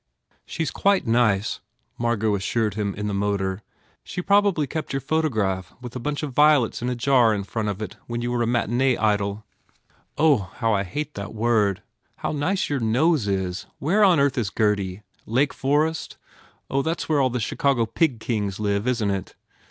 "She s quite nice," Margot assured him in the motor, "She probably kept your photograph with a bunch of violets in a jar in front of it when you were a matinee Oh, how you hate that word! How nice your nose is! Where on earth s Gurdy? Lake Forest? Oh, that s where all the Chicago pig kings live, isn t it?